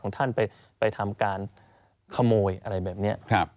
ท่านไปทำการขโมยอะไรแบบนี้